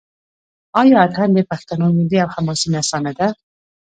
آیا اټن د پښتنو ملي او حماسي نڅا نه ده؟